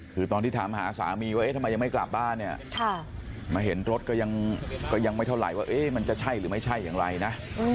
คือตอนที่ถามหาสามีว่าเอ๊ะทำไมยังไม่กลับบ้านเนี่ยมาเห็นรถก็ยังไม่เท่าไหร่ว่ามันจะใช่หรือไม่ใช่อย่างไรนะ